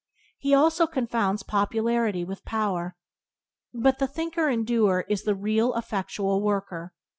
He also confounds popularity with power. But the thinker and doer is the real and effectual worker.